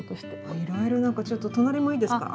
いろいろ何かちょっと隣もいいですか？